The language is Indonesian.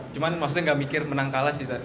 cuman maksudnya gak mikir menang kalah sih